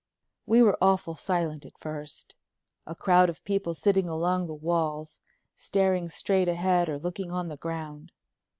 We were awful silent at first, a crowd of people sitting along the walls, staring straight ahead or looking on the ground.